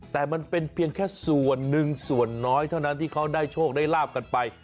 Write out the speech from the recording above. แต่มันเป็นเพียงแค่ส่วนหนึ่งส่วนน้อยเท่านั้นที่เขาได้โชคได้ลาบกันไป